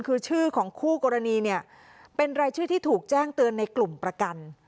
คือชื่อของคู่กรณีเนี่ยเป็นรายชื่อที่ถูกแจ้งเตือนในกลุ่มประกัน